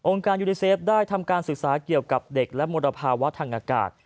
การยูนิเซฟได้ทำการศึกษาเกี่ยวกับเด็กและมลภาวะทางอากาศ